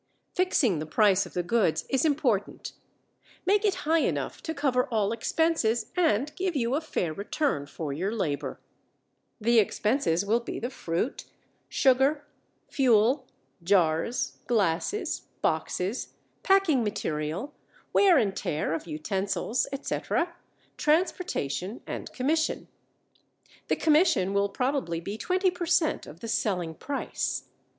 Fixing the price of the goods is important. Make it high enough to cover all expenses and give you a fair return for your labor. The expenses will be the fruit, sugar, fuel, jars, glasses, boxes, packing material, wear and tear of utensils, etc., transportation, and commission. The commission will probably be 20 per cent of the selling price.